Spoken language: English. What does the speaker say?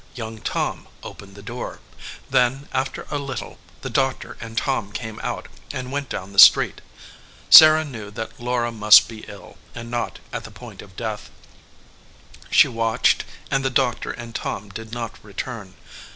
Young Tom opened the door. Then, after a little, the doctor and Tom came out and went down the street. Sarah knew that Laura, must be ill, and not at the point of death. She watched, and the doctor and Tom did not return.